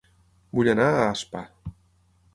Vull anar a Aspa